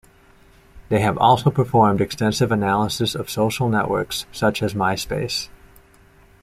They have also performed extensive analysis of social networks such as Myspace.